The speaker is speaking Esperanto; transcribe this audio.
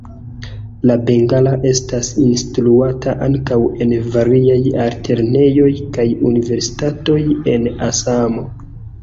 La bengala estas instruata ankaŭ en variaj altlernejoj kaj universitatoj en Asamo.